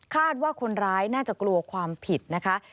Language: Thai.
คาดว่าคนร้ายน่าจะกลัวความผิดนะคะ